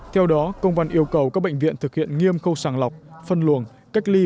theo đó công văn yêu cầu các bệnh viện thực hiện nghiêm khâu sàng lọc phân luồng cách ly